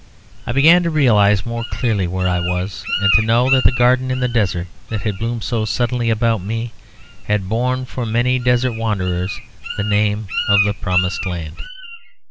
I began to realise more clearly where I was; and to know that the garden in the desert that had bloomed so suddenly about me had borne for many desert wanderers the name of the promised land.